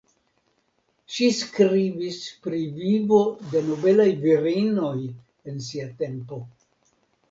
Ŝi skribis pri vivo de nobelaj virinoj en sia tempo.